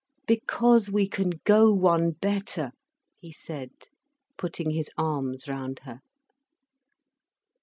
"Because we can go one better," he said, putting his arms round her.